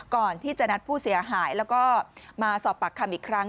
ก่อนที่จะนัดผู้เสียหายแล้วก็มาสอบปากคำอีกครั้ง